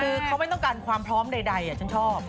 คือเขาไม่ต้องการความพร้อมใดฉันชอบ